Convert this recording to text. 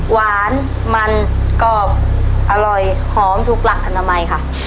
หวานมันกรอบอร่อยหอมถูกหลักอนามัยค่ะ